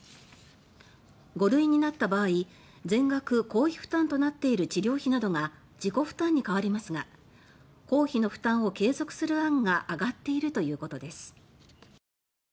５類になった場合全額公費負担となっている治療費などが自己負担に変わりますが公費の負担を継続する案が挙がっているということです。